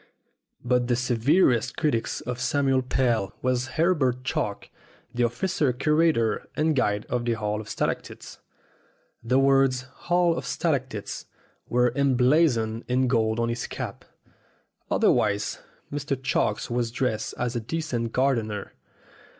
But the severest critic of Samuel Pell was Herbert Chalk, the official curator and guide of the Hall of Stalactites. The words, "Hall of Stalactites," were emblazoned in gold on his cap. Otherwise Mr. Chalk was dressed as a decent gardener.